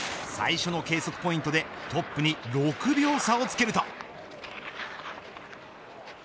最初の計測ポイントでトップに６秒差をつけると。